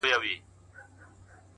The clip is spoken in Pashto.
مینه نړۍ ښکلا کوي’